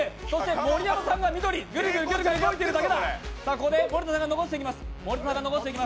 盛山さんがぐるぐる動いてるだけだ。